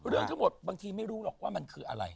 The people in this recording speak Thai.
เรื่องทั้งหมดบางทีไม่รู้หรอกว่ามันคืออะไร